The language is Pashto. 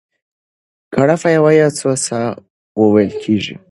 ګړه په یوه یا څو ساه وو وېل کېږي.